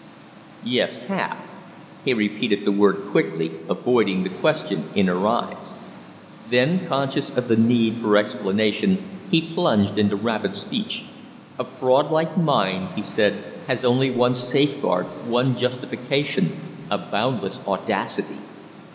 "Yes, half." He repeated the word quickly, avoiding the question in her eyes. Then, conscious of the need for explanation, he plunged into rapid speech. "A fraud like mine," he said, "has only one safeguard, one justification a boundless audacity.